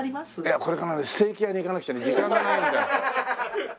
いやこれからねステーキ屋に行かなくちゃ時間がないんだよ。